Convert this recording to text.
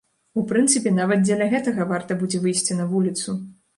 У прынцыпе, нават дзеля гэтага варта будзе выйсці на вуліцу.